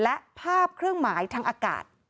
และภาพเครื่องหมายทางอากาศ